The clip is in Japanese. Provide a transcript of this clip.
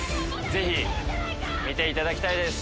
ぜひ見ていただきたいです